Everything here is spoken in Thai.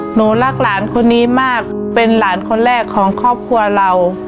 หนูรักหลานคนนี้มากเป็นหลานคนแรกของครอบครัวเรา